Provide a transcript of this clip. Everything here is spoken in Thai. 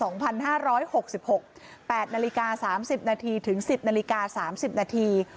๘นาฬิกา๓๐นาทีถึง๑๐นาฬิกา๓๐นาที